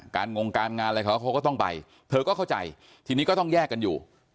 งงการงานอะไรเขาเขาก็ต้องไปเธอก็เข้าใจทีนี้ก็ต้องแยกกันอยู่